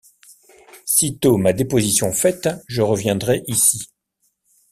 Sitôt ma déposition faite, je reviendrai ici.